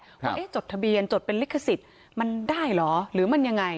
ว่าจดทะเบียนจดเป็นลิขสิทธิ์มันได้เหรอหรือมันยังไง